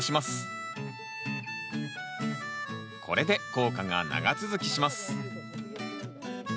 これで効果が長続きします。